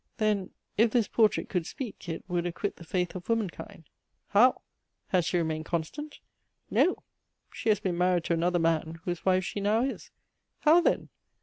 Then, if this portrait could speak, it would "acquit the faith of womankind." How? Had she remained constant? No, she has been married to another man, whose wife she now is. How then?